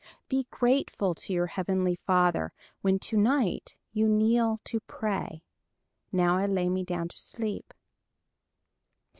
Be grateful to your heavenly Father when to night you kneel to pray: "Now I lay me down to sleep."